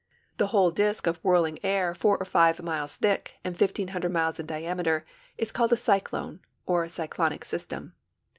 The whole disk of whirling air four or five miles thick and 1,500 miles in diameter is called a cyclone or c}' clonic system.